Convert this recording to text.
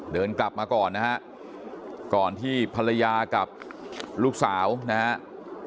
เดินกลับมาก่อนนะฮะก่อนที่ภรรยากับลูกสาวนะครับ